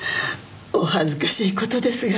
お恥ずかしいことですが。